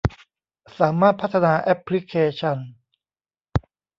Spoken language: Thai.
สามารถพัฒนาแอปพลิเคชัน